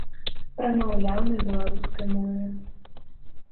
Прамаўляў на беларускай мове.